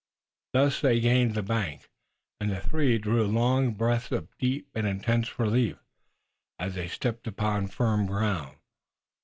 Thus they gained the bank, and the three drew long breaths of deep and intense relief, as they stepped upon firm ground.